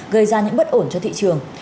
gây ra những bất ổn cho thị trường